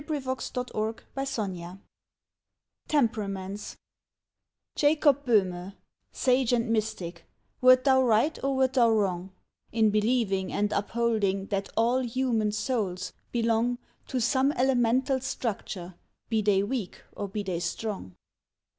16 TEMPERAMENTS TEMPERAMENTS JACOB BOEHME, Sage and Mystic, wert thou right or wert thou wrong, In believing and upholding that all human souls belong To some elemental structure, be they weak or be they strong